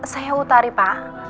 saya utari pak